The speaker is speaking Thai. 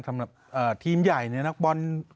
สำหรับทีมใหญ่นักบอล